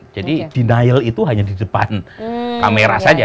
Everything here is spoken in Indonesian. jadi denial itu hanya di depan kamera saja